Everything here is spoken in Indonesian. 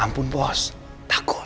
ampun bos takut